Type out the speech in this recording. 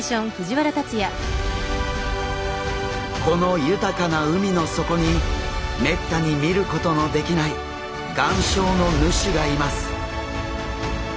この豊かな海の底にめったに見ることのできない岩礁の主がいます。